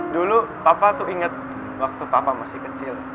dulu papa tuh inget waktu papa masih kecil